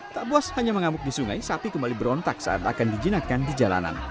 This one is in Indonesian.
tak buas hanya mengamuk di sungai sapi kembali berontak saat akan dijinakkan di jalanan